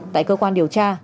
tại cơ quan điều tra